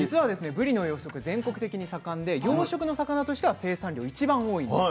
ぶりの養殖全国的に盛んで養殖の魚としては生産量一番多いんです。